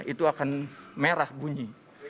itu akan merah bunyi